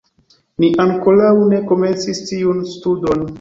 Ni ankoraŭ ne komencis tiun studon.